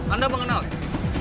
anda mengenal ya